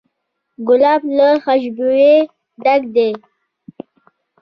ګلاب له خوشبویۍ ډک دی.